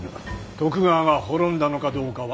徳川が滅んだのかどうかは。